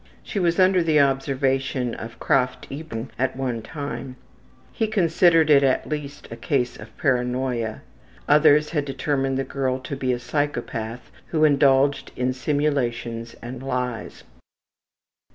She was under the observation of Krafft Ebing at one time. He considered it at least as a case of paranoia. Others had determined the girl to be a psychopath who indulged in simulations and lies.